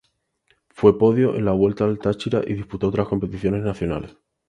Fue podio en la Vuelta al Táchira y disputó otras competiciones nacionales.